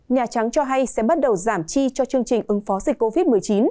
nhà trắng cho hay sẽ bắt đầu giảm chi cho chương trình ứng phó dịch covid một mươi chín